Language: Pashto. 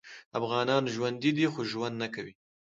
افغانان ژوندي دي خو ژوند نکوي